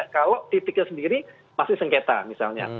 kalau titiknya sendiri masih sengketa misalnya